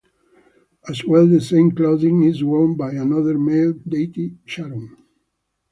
As well, the same clothing is worn by another male deity, Charun.